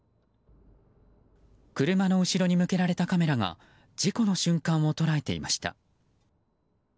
車の後ろに向けられたカメラが事故の瞬間を捉えていました。